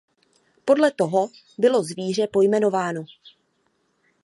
Podle toho bylo zvíře pojmenováno.